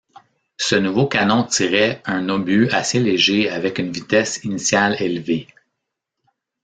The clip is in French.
Ce nouveau canon tirait un obus assez léger avec une vitesse initiale élevée.